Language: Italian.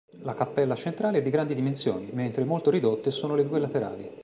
La cappella centrale è di grandi dimensioni, mentre molto ridotte sono le due laterali.